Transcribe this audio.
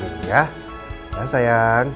nih minum dulu sayang